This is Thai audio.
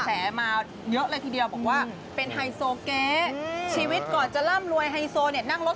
สวัสดีครับม่านป๊าครับสวัสดีครับ